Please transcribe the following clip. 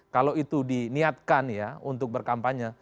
kalau itu diniatkan ya untuk berkampanye